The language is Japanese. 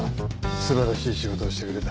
素晴らしい仕事をしてくれた。